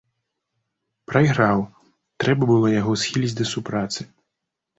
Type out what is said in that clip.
Прайграў, трэба было яго схіліць да супрацы.